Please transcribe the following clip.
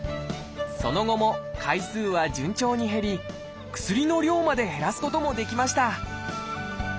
その後も回数は順調に減り薬の量まで減らすこともできました！